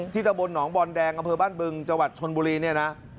ที่ตะบนหนองบอลแดงกระเภทบ้านบึงจวัดชนบุรี